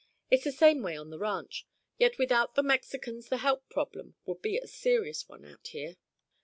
It's the same way on the ranch. Yet without the Mexicans the help problem would be a serious one out here."